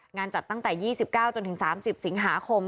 งานจัดตั้งแต่๒๙๓๐สิงหาคม